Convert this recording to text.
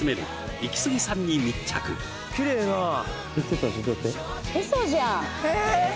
イキスギさんに密着嘘じゃんえ！